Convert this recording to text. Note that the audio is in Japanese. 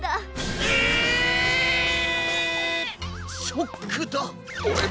ショックだオレ